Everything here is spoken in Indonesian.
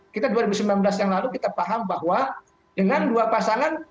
kita dua ribu sembilan belas yang lalu kita paham bahwa dengan dua pasangan